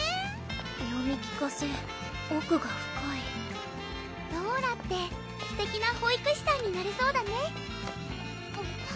読み聞かせ奥が深いローラってすてきな保育士さんになれそうだね